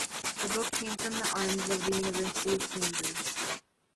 The book came from the arms of the University of Cambridge.